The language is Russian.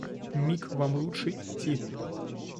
Мик, вам лучше идти.